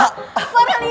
nadia kok buka dapet mah lo